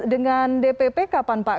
dengan dpp kapan pak